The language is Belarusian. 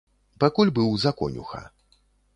Пакуль быў за конюха.